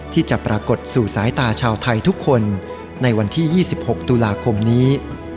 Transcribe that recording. ที่จะปรากฏสู่สายตาชาวไทยทุกคนในวันที่๒๖ตุลาคมนี้